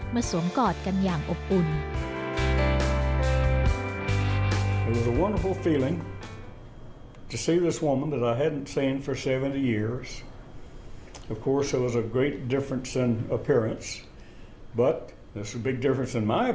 สวมกอดกันอย่างอบอุ่น